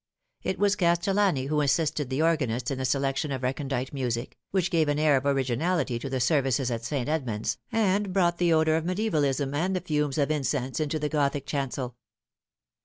It was Castellani who assisted the organist in the selection of recondite music, which gave an air of originality to the services at St. Edmund's, and brought the odour of medie valism and the fumes of incense into the Gothic chancel.